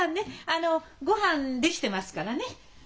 あの御飯出来てますからね。